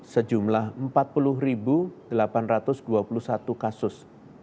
sejumlah empat puluh delapan ratus dua puluh satu kasus